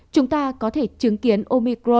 chúng ta có thể chứng kiến omicron